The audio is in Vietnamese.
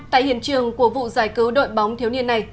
tại hiện trường của vụ giải cứu đội bóng thiếu niên này